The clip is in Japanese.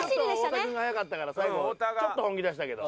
太田君が速かったからちょっと本気出したけど。